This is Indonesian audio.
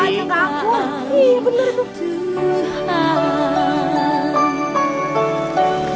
iya bener bu